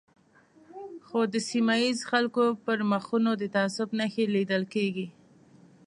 خو د سیمه ییزو خلکو پر مخونو د تعصب نښې لیدل کېږي.